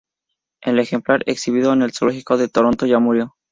El ejemplar exhibido en el zoológico de Toronto ya murió.